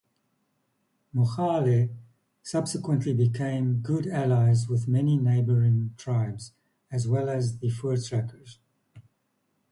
Mogale subsequently became good allies with many neighbouring tribes as well as the Voortrekkers.